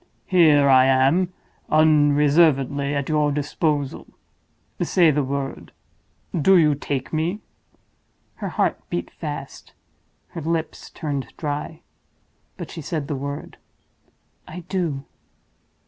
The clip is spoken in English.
Here I am, unreservedly at your disposal. Say the word—do you take me?" Her heart beat fast; her lips turned dry—but she said the word. "I do."